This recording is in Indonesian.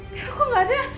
tiara kok gak ada